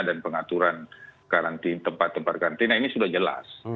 dan pengaturan tempat tempat karantina ini sudah jelas